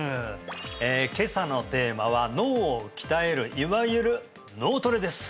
今朝のテーマは脳を鍛えるいわゆる「脳トレ」です